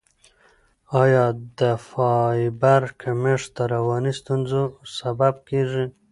آیا د فایبر کمښت د رواني ستونزو سبب کیږي؟